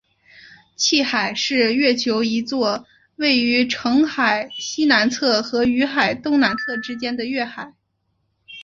汽海是月球一座位于澄海西南侧和雨海东南侧之间的月海。